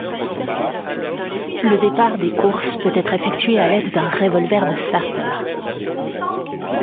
Le départ des courses peut être effectué à l'aide d'un revolver de starter.